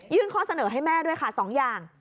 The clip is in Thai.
ข้อเสนอให้แม่ด้วยค่ะ๒อย่าง